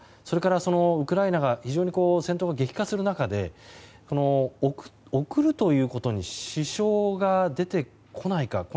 それからウクライナが非常に戦闘が激化する中で送るということに支障が出てこないか。